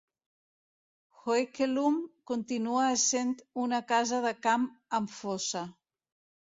Hoekelum continua essent una casa de camp amb fossa.